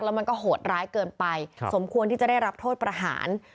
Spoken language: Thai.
แล้วมันก็โหดร้ายเกินไปสมควรที่จะได้รับโทษประหาร